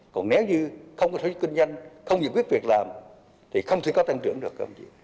còn nếu như không có sản xuất kinh doanh không giữ quyết việc làm thì không thể có tăng trưởng được